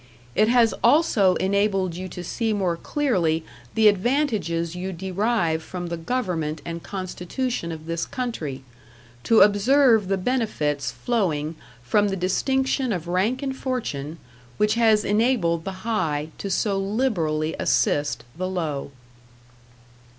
It has also enabled you to see more clearly the advantages you derive from the government and constitution of this country to observe the benefits flowing from the distinction of rank and fortune, which has enabled the high to so liberally assist the low.